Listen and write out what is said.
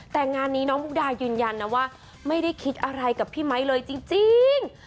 แต่งานนี้น้องมุกดายืนยันนะว่าไม่ได้คิดอะไรกับพี่ไมค์เลยจริง